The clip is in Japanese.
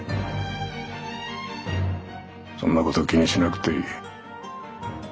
そんなこと気にしなくていい。